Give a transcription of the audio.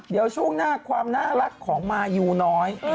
เดี๋ยวช่วงหน้าความน่ารักของมายูน้อย